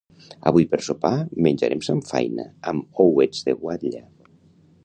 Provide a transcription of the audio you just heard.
Avui per sopar menjarem samfaina amb ouets de guatlla